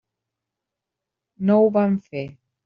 No ho van fer.